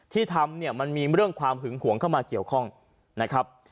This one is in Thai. ที่ทำเนี่ยมันมีเรื่องความหึงหวงเข้ามาเกี่ยวข้องนะครับ